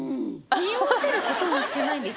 におわせることもしてないんです